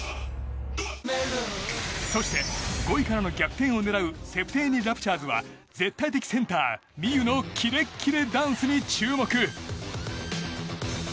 そして、５位からの逆転を狙うセプテーニ・ラプチャーズは絶対的センターＭｉＹＵのキレキレダンスに注目。